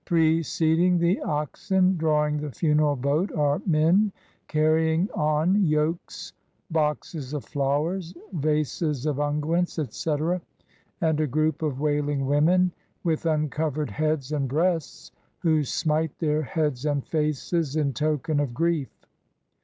Preceding the oxen drawing the funeral boat are men carrying on yokes boxes of flowers, vases of unguents, etc., and a group of wailing women with uncovered heads and breasts, who smite their heads and faces in token of grief.